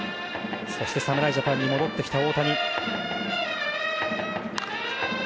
そして侍ジャパンに戻ってきた大谷。